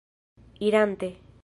irante